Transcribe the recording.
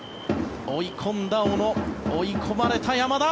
追い込んだ小野追い込まれた山田。